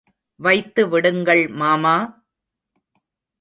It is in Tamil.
வைத்து விடுங்கள் மாமா!